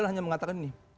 hanya mengatakan ini